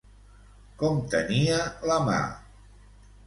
Com tenia la mà?